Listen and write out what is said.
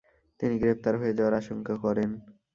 তিনি গ্রেপ্তার হয়ে যাওয়ার আশঙ্কা করেন।